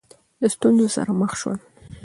د ستونزو سره مخ شول